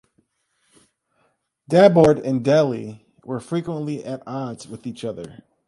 Dabord and Dele were frequently at odds with each other.